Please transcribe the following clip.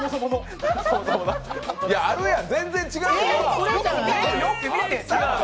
あるやん、全然違うやん。